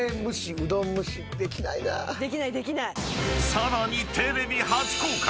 ［さらにテレビ初公開！］